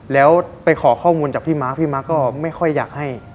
แล้วไปขอข้อมูลจากพี่ม้าพี่ม้าก็ไม่ค่อยอยากให้